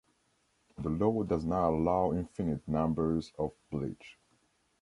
The law does not allow infinite numbers of bleach.